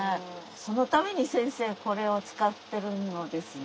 そのために先生これを使ってるのですね。